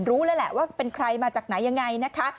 รู้แล้วแหละว่าเป็นใครมาจากไหนยังไงนะคะ